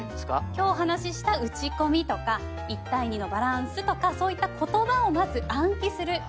今日お話ししたうちこみとか１対２のバランスとかそういった言葉をまず暗記する。